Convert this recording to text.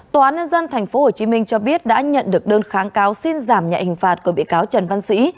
tòa án nhân dân thành phố hồ chí minh cho biết đã nhận được đơn kháng cáo xin giảm nhạy hình phạt của bị cáo trần văn sĩ